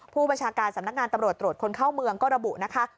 ผู้บัญชาการสำนักงานตำรวจตรวจคนเข้าเมืองก็ระบุนะคะ